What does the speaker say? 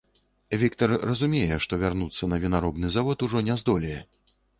Віктар разумее, што вярнуцца на вінаробны завод ужо не здолее.